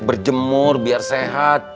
berjemur biar sehat